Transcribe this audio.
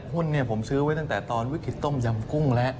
หุ้นผมซื้อไว้ตั้งแต่ตอนวิกฤตต้มยำกุ้งแล้ว